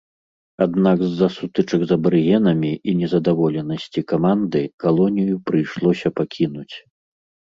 Аднак з-за сутычак з абарыгенамі і незадаволенасці каманды калонію прыйшлося пакінуць.